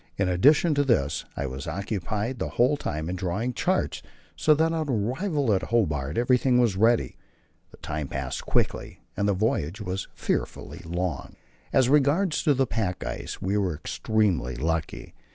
In addition to this I was occupied the whole time in drawing charts, so that on arrival at Hobart everything was ready; the time passed quickly, though the voyage was fearfully long. As regards the pack ice we were extremely lucky.